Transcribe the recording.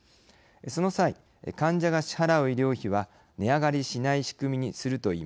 その際患者が支払う医療費は値上がりしない仕組みにするといいます。